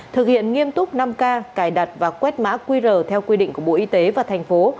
thực hiện nghiêm túc năm k cài đặt và quét mã qr theo quy định của bộ y tế và thành phố